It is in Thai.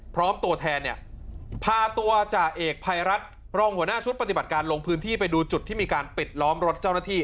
ตัวแทนเนี่ยพาตัวจ่าเอกภัยรัฐรองหัวหน้าชุดปฏิบัติการลงพื้นที่ไปดูจุดที่มีการปิดล้อมรถเจ้าหน้าที่